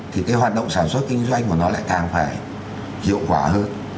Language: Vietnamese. thì cái hoạt động sản xuất kinh doanh của nó lại càng phải hiệu quả hơn